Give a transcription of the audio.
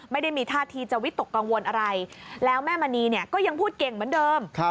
ไม่ได้มีท่าทีจะวิตกกังวลอะไรแล้วแม่มณีเนี่ยก็ยังพูดเก่งเหมือนเดิม